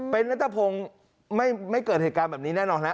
เป็นนัทพงศ์ไม่เกิดเหตุการณ์แบบนี้แน่นอนนะ